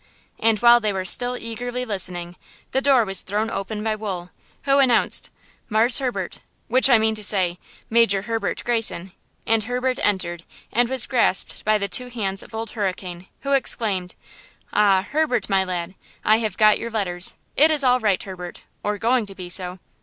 And while they were still eagerly listening, the door was thrown open by Wool, who announced: "Marse Herbert, which I mean to say, Major Herbert Greyson;" and Herbert entered and was grasped by the two hands of Old Hurricane, who exclaimed: "Ah, Herbert, my lad! I have got your letters. It is all right, Herbert, or going to be so.